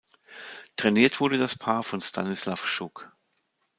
Trainiert wurde das Paar von Stanislaw Schuk.